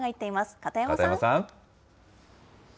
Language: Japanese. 片山さん。